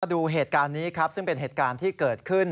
ดูเหตุการณ์นี้ครับซึ่งเป็นเหตุการณ์ที่เกิดขึ้น